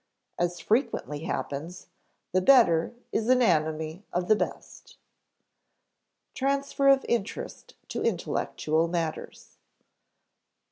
As frequently happens, the better is an enemy of the best. [Sidenote: Transfer of interest to intellectual matters] 2.